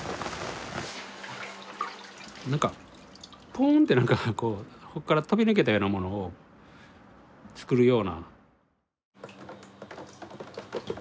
なんかポーンってなんかここから飛び抜けたようなものを作るような。